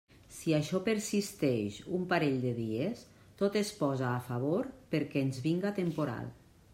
Si això persisteix un parell de dies, tot es posa a favor perquè ens vinga temporal.